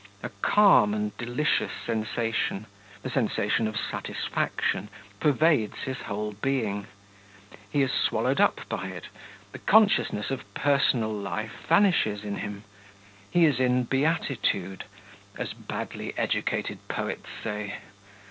A calm and delicious sensation, the sensation of satisfaction, pervades his whole being; he is swallowed up by it; the consciousness of personal life vanishes in him he is in beatitude, as badly educated poets say.